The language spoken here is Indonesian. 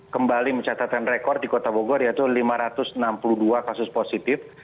kembali mencatatkan rekor di kota bogor yaitu lima ratus enam puluh dua kasus positif